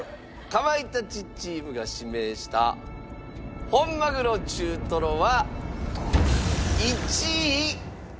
かまいたちチームが指名した本鮪中とろは１位。